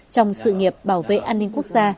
trong sự nghiệp bảo vệ an ninh quốc gia